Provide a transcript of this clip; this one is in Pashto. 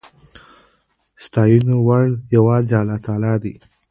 د ستاينو وړ يواځې الله تعالی دی